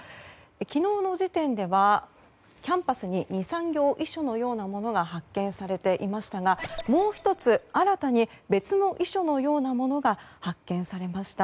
昨日の時点ではキャンバスに２３行遺書のようなものが発見されていましたがもう１つ、新たに別の遺書のようなものが発見されました。